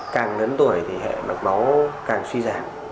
càng lớn tuổi thì hệ độc máu càng suy giảm